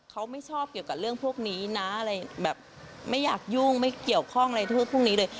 เขาไม่ชอบเกี่ยวกับเรื่องพวกนี้นะอะไรแบบไม่อยากยุ่งไม่เกี่ยวข้องอะไรพวกนี้เลย